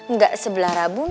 nggak sebelah rabun